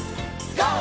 ＧＯ！